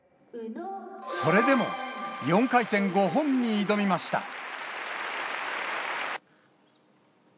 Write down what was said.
それでも、４回転５本に挑みました。